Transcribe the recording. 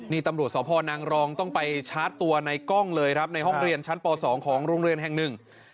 นี่ตำรวจสพนางรองต้องไปชาร์จตัวในกล้องเลยครับในห้องเรียนชั้นป๒ของโรงเรียนแห่งหนึ่ง